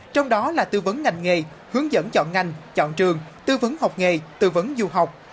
trong đó là tư vấn ngành nghề hướng dẫn chọn ngành chọn trường tư vấn học nghề tư vấn du học